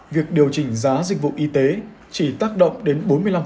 việc điều chỉnh giá dịch vụ y tế chỉ tác động đến bốn mươi năm